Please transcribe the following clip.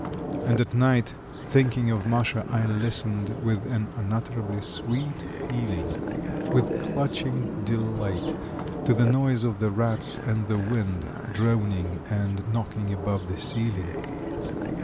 And at night, thinking of Masha, I listened with an unutterably sweet feeling, with clutching delight to the noise of the rats and the wind droning and knocking above the ceiling.